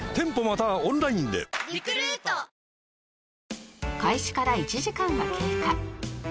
え．．．開始から１時間が経過